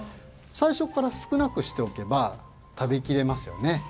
さいっしょからすくなくしておけば食べきれますよね？